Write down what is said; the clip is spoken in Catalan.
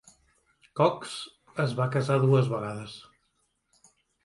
Cox es va casar dues vegades.